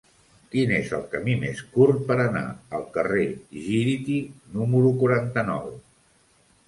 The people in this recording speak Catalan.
Quin és el camí més curt per anar al carrer Gíriti número quaranta-nou?